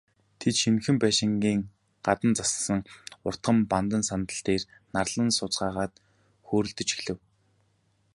Тэд, шинэхэн байшингийн гадна зассан уртхан бандан сандал дээр нарлан сууцгаагаад хөөрөлдөж эхлэв.